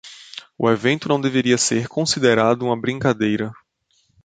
O evento não deveria ser considerado uma brincadeira.